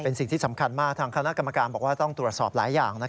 เป็นสิ่งที่สำคัญมากทางคณะกรรมการบอกว่าต้องตรวจสอบหลายอย่าง